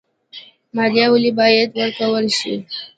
مالیه ولې باید ورکړل شي؟